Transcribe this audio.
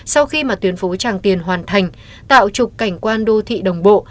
sau khi mà tuyến phố tràng tiền hoàn thành tạo trục cảnh quan đô thị đồng bộ